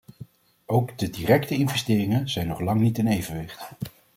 Ook de directe investeringen zijn nog lang niet in evenwicht.